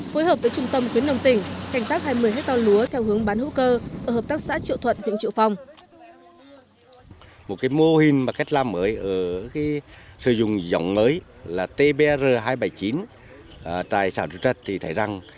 phối hợp với trung tâm khuyến nông tỉnh canh tác hai mươi hectare lúa theo hướng bán hữu cơ ở hợp tác xã triệu thuận huyện triệu phong